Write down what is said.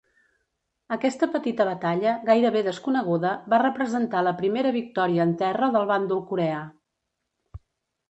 Aquesta petita batalla, gairebé desconeguda, va representar la primera victòria en terra del bàndol coreà.